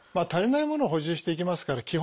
足りないものを補充していきますから